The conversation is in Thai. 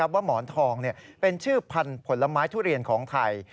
หมอนทองเป็นชื่อพันธุ์ผลไม้ทุเรียนของไทย